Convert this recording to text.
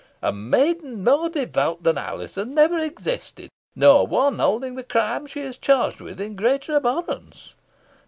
"A maiden more devout than Alizon never existed, nor one holding the crime she is charged with in greater abhorrence.